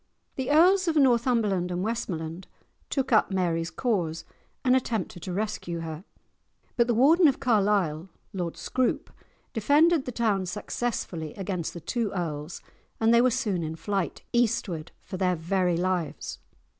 The Earls of Northumberland and Westmoreland took up Mary's cause and attempted to rescue her, but the Warden of Carlisle, Lord Scroope, defended the town successfully against the two earls, and they were soon in flight, eastward for their very lives.